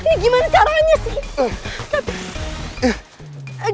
ini gimana caranya sih